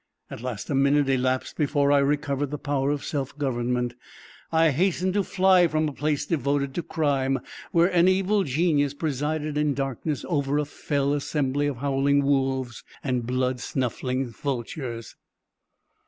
At least a minute elapsed before I recovered the power of self government. I hastened to fly from a place devoted to crime, where an evil genius presided in darkness over a fell assembly of howling wolves, and blood snuffing vultures.